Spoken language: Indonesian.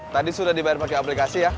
tadi sudah dibayar pakai aplikasi ya